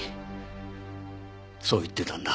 そう言ってたんだ。